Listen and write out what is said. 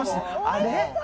あれ？